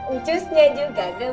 encusnya juga gemes